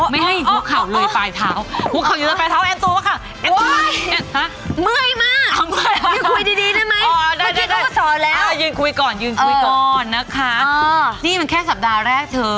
ไม่ให้หัวเข่าเลยปลายเท้า